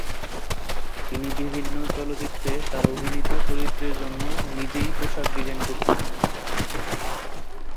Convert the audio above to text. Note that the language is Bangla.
তিনি বিভিন্ন চলচ্চিত্রে তার অভিনীত চরিত্রের জন্য নিজেই পোশাক ডিজাইন করতেন।